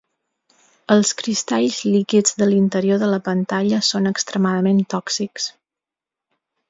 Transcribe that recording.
Els cristalls líquids de l'interior de la pantalla són extremadament tòxics.